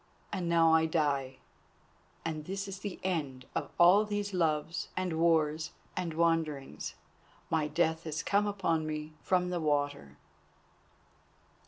And now I die, and this is the end of all these Loves and Wars and Wanderings. My death has come upon me from the water."